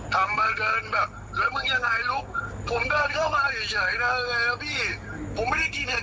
แทนหาเรื่องของผมมาก